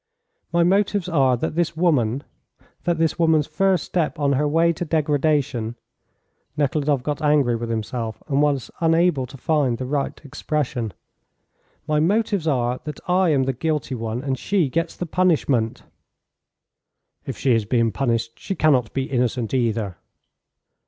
"My motives are that this woman that this woman's first step on her way to degradation " Nekhludoff got angry with himself, and was unable to find the right expression. "My motives are that I am the guilty one, and she gets the punishment." "If she is being punished she cannot be innocent, either."